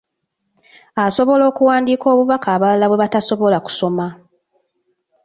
Asobola okuwandiika obubaka abalala bwe batasobola kusoma.